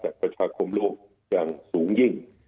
ประชาคมโลกอย่างสูงยิ่ง